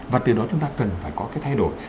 và từ đó chúng ta cần phải có cái thay đổi